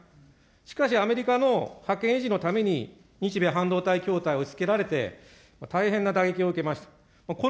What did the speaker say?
しかし、アメリカのはけん維持のために日米半導体を押しつけられて、大変な打撃を受けました。